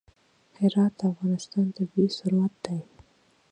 هرات د افغانستان طبعي ثروت دی.